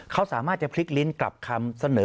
เขาสามารถจะพลิกลิ้นกลับคำเสนอ